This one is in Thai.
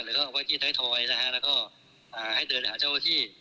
หรือเอาไว้ที่ไทยทอยนะฮะแล้วก็ให้เดินหาเจ้าที่